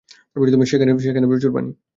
সেখানে প্রচুর পানি।